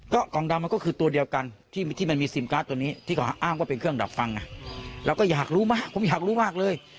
กล่องดำมันก็คือตัวเดียวกันที่มันมีซิมการ์ดตัวนี้ที่เขาอ้างว่าเป็นเครื่องดับฟังเราก็อยากรู้มากผมอยากรู้มากเลย